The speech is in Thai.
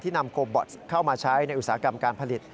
นำโคบอสเข้ามาใช้ในอุตสาหกรรมการผลิต